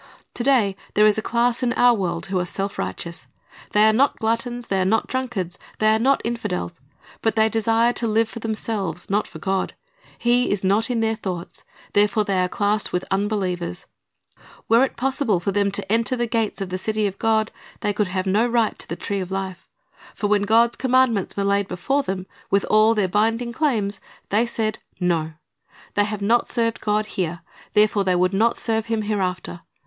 To day there is a class in our world who are self righteous. They are not gluttons, they are not drunkards, they are not infidels; but they desire to live for themselves, not for God. He is not in their thoughts; therefore they are classed with unbelievers. Were it possible for them to enter the gates of the city of God, they could ha\e no right to the tree of life; for when God's commandments 1 Ps. 42 : I 2 ps. 146 : 4 ; Eccl. 9 : 5, 6 "A Great Gulf Fixed'' 271 were laid before them, with all their binding claims, they said, No. They have not served God here; therefore they would not serve Him hereafter.